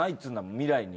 未来に。